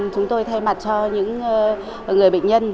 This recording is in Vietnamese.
chúng tôi thay mặt cho những người bệnh nhân